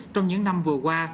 trong những năm vừa qua